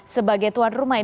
sebagai tuan rumah